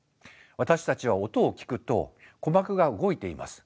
私たちは音を聞くと鼓膜が動いています。